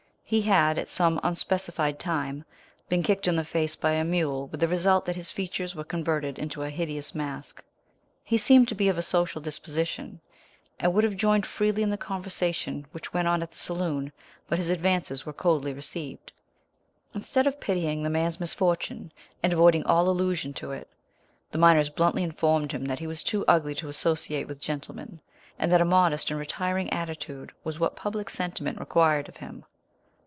He had, at some unspecified time, been kicked in the face by a mule, with the result that his features were converted into a hideous mask. He seemed to be of a social disposition, and would have joined freely in the conversation which went on at the saloon, but his advances were coldly received. Instead of pitying the man's misfortune, and avoiding all allusion to it, the miners bluntly informed him that he was too ugly to associate with gentlemen, and that a modest and retiring attitude was what public sentiment required of him.